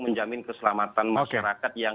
menjamin keselamatan masyarakat yang